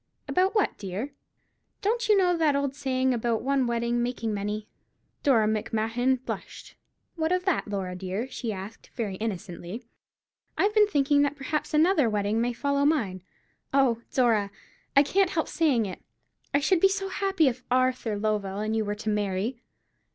"About what, dear?" "Don't you know that old saying about one wedding making many?" Dora Macmahon blushed. "What of that, Laura dear?" she asked, very innocently. "I've been thinking that perhaps another wedding may follow mine. Oh, Dora, I can't help saying it, I should be so happy if Arthur Lovell and you were to marry."